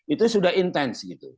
itu sudah intens gitu